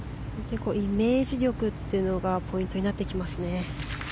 イメージ力がポイントになってきますね。